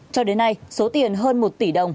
cho đến nay số tiền hơn một tỷ đồng